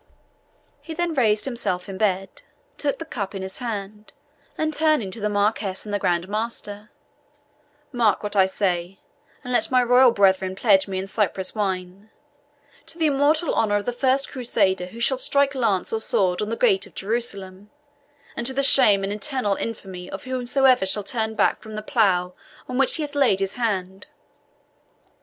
He then raised himself in bed, took the cup in his hand, and turning to the Marquis and the Grand Master "Mark what I say, and let my royal brethren pledge me in Cyprus wine, 'To the immortal honour of the first Crusader who shall strike lance or sword on the gate of Jerusalem; and to the shame and eternal infamy of whomsoever shall turn back from the plough on which he hath laid his hand!'"